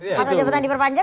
masa jabatan diperpanjang